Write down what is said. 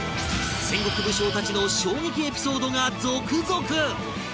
戦国武将たちの衝撃エピソードが続々！